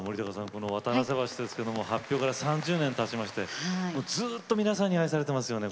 この「渡良瀬橋」ですけども発表から３０年たちましてもうずっと皆さんに愛されてますよね